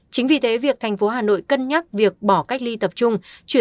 chính vì thế việc tp hcm cân nhắc việc bỏ cách ly tập trung